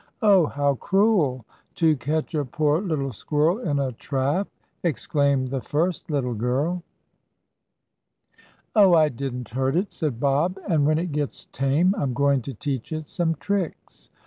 "Oh, how cruel, to catch a poor little squirrel in a trap!" exclaimed the first little girl. "Oh, I didn't hurt it," said Bob. "And, when it gets tame I'm going to teach it some tricks."